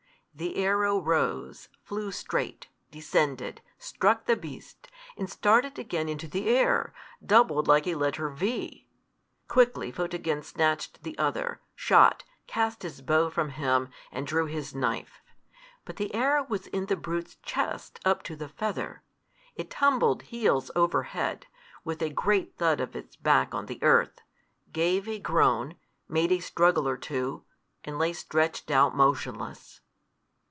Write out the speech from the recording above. The arrow rose, flew straight, descended, struck the beast, and started again into the air, doubled like a letter V. Quickly Photogen snatched the other, shot, cast his bow from him, and drew his knife. But the arrow was in the brute's chest, up to the feather; it tumbled heels over head, with a great thud of its back on the earth, gave a groan, made a struggle or two, and lay stretched out motionless.